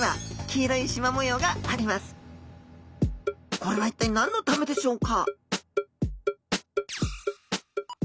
これは一体何のためでしょうか？